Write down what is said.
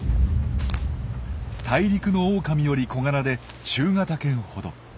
大陸のオオカミより小柄で中型犬ほど。